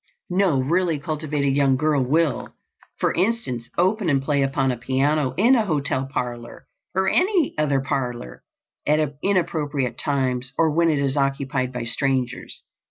No really cultivated young girl will, for instance, open and play upon a piano in a hotel parlor or any other parlor at inappropriate times or when it is occupied by strangers.